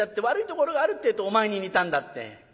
悪いところがあるってえとお前に似たんだって。